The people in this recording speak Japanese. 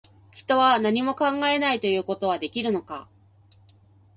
人は、何も考えないということはできるのか